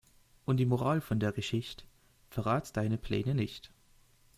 Und die Moral von der Geschicht': Verrate deine Pläne nicht.